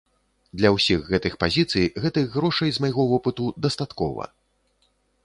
Для ўсіх гэтых пазіцый гэтых грошай, з майго вопыту, дастаткова.